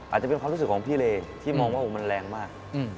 อาจจะเป็นความรู้สึกของพี่เลที่มองว่ามันแรงมาก